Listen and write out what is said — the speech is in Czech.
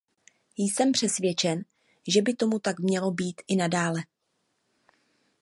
Jsem přesvědčen, že by tomu tak mělo být i nadále.